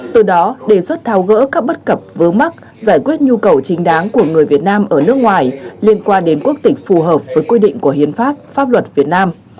từ đó đề xuất thao gỡ các bất cập vớ mắc giải quyết nhu cầu chính đáng của người việt nam ở nước ngoài liên quan đến quốc tịch phù hợp với quy định của hiến pháp pháp luật việt nam